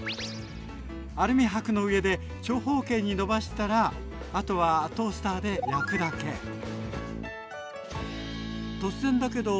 アルミはくの上で長方形に伸ばしたらあとはトースターで焼くだけ。